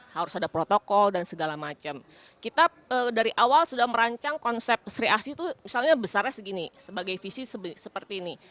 harus ada protokol dan segala macam kita dari awal sudah merancang konsep sri asi itu misalnya besarnya segini sebagai visi seperti ini